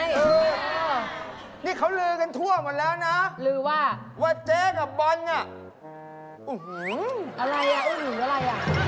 เออนี่เขาลือกันทั่วหมดแล้วนะว่าเจ๊กับบอลน่ะโอ้โฮลือว่า